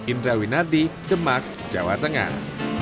indra winardi demak jawa tengah